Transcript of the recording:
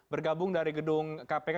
bergabung dari gedung kpk